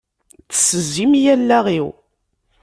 Tessezzim-iyi allaɣ-iw!